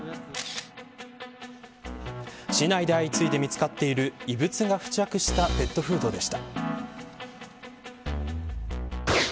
市内で相次いで見つかっている異物が付着したペットフードでした。